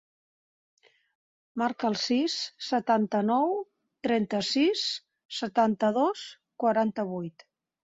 Marca el sis, setanta-nou, trenta-sis, setanta-dos, quaranta-vuit.